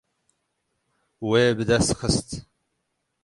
Wê bi dest xist.